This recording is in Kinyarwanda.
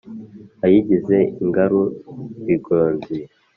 ayigize ingaru bigozi